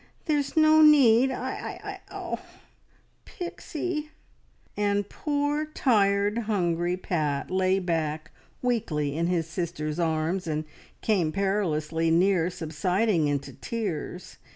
There's no need I I oh, Pixie!" and poor, tired, hungry Pat lay back weakly in his sister's arms, and came perilously near subsiding into tears.